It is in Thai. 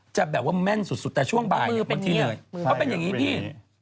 จะแบบว่าแม่นสุดแต่ช่วงบ่ายบางทีเขาเป็นอย่างนี้พี่